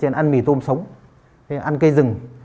thế chứ ăn mì tôm sống ăn cây rừng